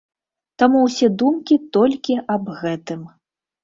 Таму ўсе думкі толькі аб гэтым.